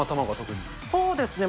そうですね。